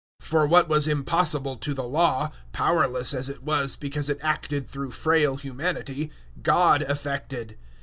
008:003 For what was impossible to the Law powerless as it was because it acted through frail humanity God effected.